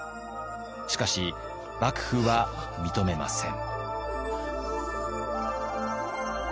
しかし幕府は認めません。